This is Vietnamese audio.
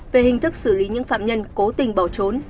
về hình thức xử lý những phạm nhân cố tình bỏ trốn